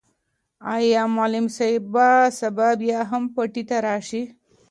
آیا معلم صاحب به سبا بیا هم پټي ته راشي؟